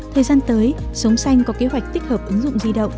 thời gian tới sống xanh có kế hoạch tích hợp ứng dụng di động